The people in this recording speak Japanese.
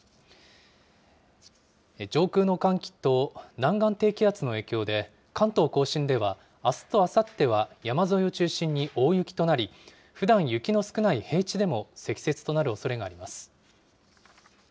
上空の寒気と南岸低気圧の影響で、関東甲信では、あすとあさっては、山沿いを中心に大雪となり、ふだん雪の少ない平地でも積雪となるおそれがあります。